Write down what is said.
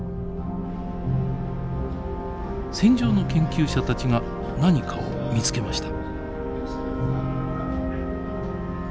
船上の研究者たちが何かを見つけました。